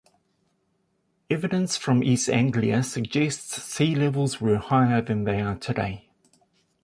Evidence from East Anglia suggests sea levels were higher than they are today.